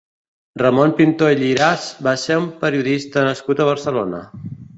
Ramon Pintó i Lliràs va ser un periodista nascut a Barcelona.